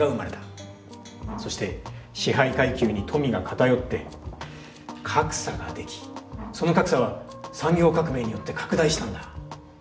そして支配階級に「富」が偏って「格差」ができその「格差」は産業革命によって拡大したんだ。